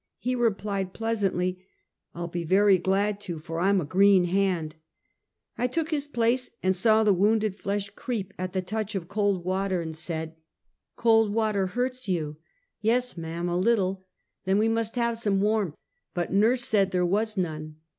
He replied, pleasantly, " I'll be very glad to, for I'm a green hand! " I took his place ; saw the wounded flesh creep at the touch of cold water, and said: Find Woek. 249 " Cold water hurts you !"" Yes ma'am, a little! "" Then we must have some warm!" But nurse said there was none.